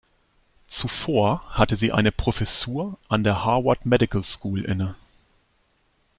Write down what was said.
Zuvor hatte sie eine Professur an der Harvard Medical School inne.